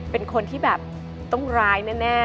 เป็นคนที่แบบต้องร้ายแน่